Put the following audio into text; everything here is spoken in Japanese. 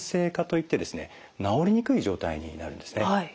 治りにくい状態になるんですね。